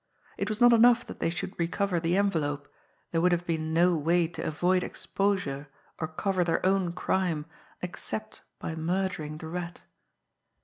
It was not enough that they should recover the envelope there would have been no way to avoid exposure or cover their own crime except by murdering the Rat.